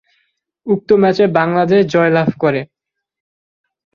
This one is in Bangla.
উক্ত ম্যাচে বাংলাদেশ জয়লাভ করে।